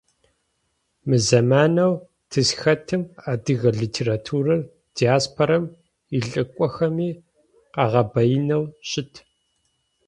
Мы зэманэу тызхэтым адыгэ литературэр диаспорэм илӏыкӏохэми къагъэбаинэу щыт.